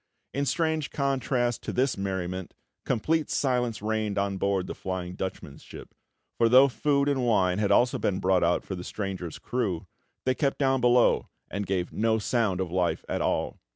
In strange contrast to this merriment, complete silence reigned on board the Flying Dutchman's ship, for though food and wine had also been brought out for the stranger's crew, they kept down below, and gave no sound of life at all.